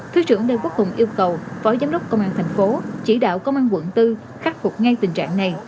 thứ trưởng lê quốc hùng yêu cầu phó giám đốc công an thành phố chỉ đạo công an quận bốn khắc phục ngay tình trạng này